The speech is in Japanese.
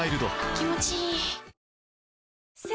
気持ちいい！